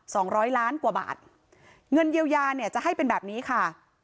สองร้อยล้านกว่าบาทเงินเยียวยาเนี่ยจะให้เป็นแบบนี้ค่ะ